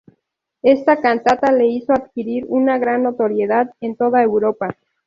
Esta cantata le hizo adquirir una gran notoriedad en toda Europa.